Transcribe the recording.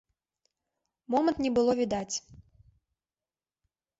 Момант не было відаць.